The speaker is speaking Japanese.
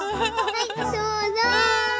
はいどうぞ。